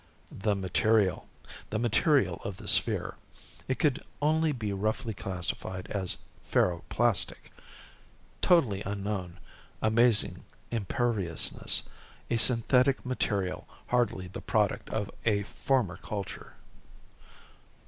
"The material ... the material of the sphere. It could only be roughly classified as ferro plastic. Totally unknown, amazing imperviousness. A synthetic material, hardly the product of a former culture."